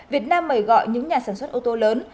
việt nam mời gọi những nhà sản xuất ô tô lớn